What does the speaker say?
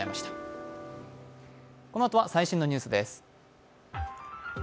このあとは最新のニュースです。